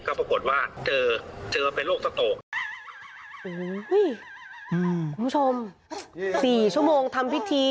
ก็ปรากฏว่าเจอเจอเป็นโรคสโตกโอ้โหคุณผู้ชมสี่ชั่วโมงทำพิธี